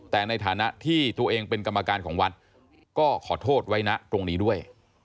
แต่ในฐานะที่ตัวเองเป็นกรรมการของวัดก็ขอโทษไว้นะตรงนี้ด้วย